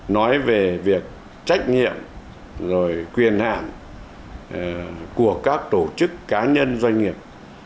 nói về việc trách nhiệm rồi quyền hạn của các tổ chức cá nhân doanh nghiệp